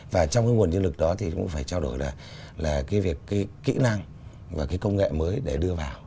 và trong cái nguồn nhân lực đó thì cũng phải trao đổi là cái việc cái kỹ năng và cái công nghệ mới để đưa vào